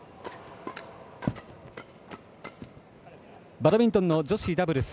バドミントンの女子ダブルス。